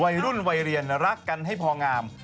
วัยรุ่นวัยเรียนรักกันให้พองาม